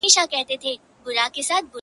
چاته که سکاره یمه اېرې یمه,